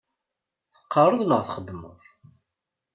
Teqqaṛeḍ neɣ txeddmeḍ?